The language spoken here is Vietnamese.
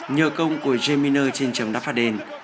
nhờ công của jeminer trên trầm đáp phạt đền